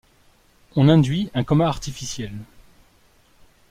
On induit un coma artificiel.